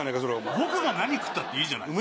僕が何食ったっていいじゃないですか。